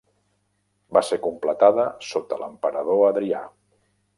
Va ser completada sota l'emperador Adrià.